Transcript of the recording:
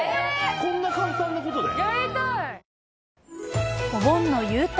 こんな簡単なことで？